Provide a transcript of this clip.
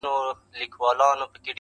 په هغه ورځ خدای ته هيڅ سجده نه ده کړې